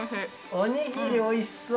おにぎりおいしそう！